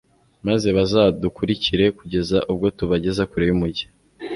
maze bazadukurikire kugeza ubwo tubageza kure y'umugi